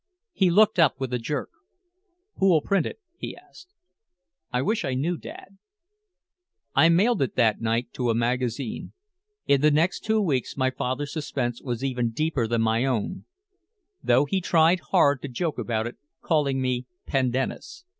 He looked up with a jerk. "Who'll print it?" he asked. "I wish I knew, Dad " I mailed it that night to a magazine. In the next two weeks my father's suspense was even deeper than my own, though he tried hard to joke about it, calling me "Pendennis."